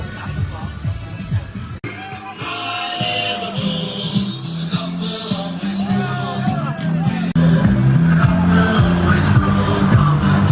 สวัสดีครับวันนี้ชัพเบียนเอ้าเฮ้ย